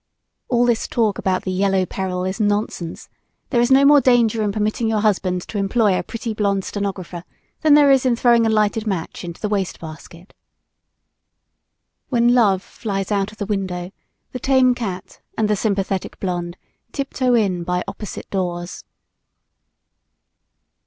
All this talk about the "yellow peril" is nonsense. There is no more danger in permitting your husband to employ a pretty blonde stenographer than there is in throwing a lighted match into the wastebasket. When love flies out of the window the tame cat and the sympathetic blonde tip toe in by opposite doors.